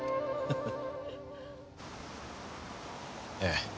ええ。